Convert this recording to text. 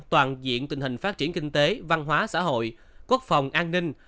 toàn diện tình hình phát triển kinh tế văn hóa xã hội quốc phòng an ninh